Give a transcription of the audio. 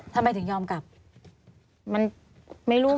ทำไมถึงยอมกลับไม่รู้มั้ย